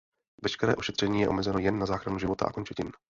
Veškeré ošetření je omezeno jen na záchranu života a končetin.